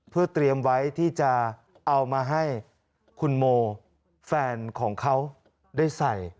เพื่อเตรียมไว้ที่จะเอามาให้คุณโมแฟนของเขาได้ใส่